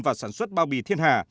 và sản xuất bao bì thiên hà